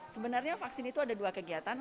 sebenarnya vaksin itu ada dua kegiatan